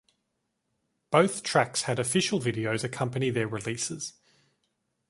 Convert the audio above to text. Both tracks had official videos accompany their releases.